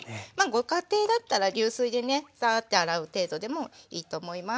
ご家庭だったら流水でねサーッて洗う程度でもいいと思います。